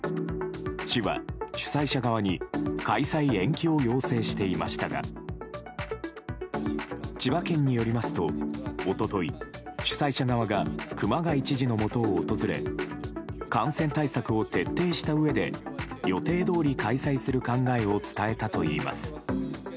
市は主催者側に開催延期を要請していましたが千葉県によりますと、一昨日主催者側が熊谷知事のもとを訪れ感染対策を徹底したうえで予定どおり開催する考えを伝えたといいます。